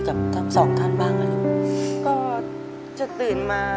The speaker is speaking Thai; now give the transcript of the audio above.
ก็จะตื่นมา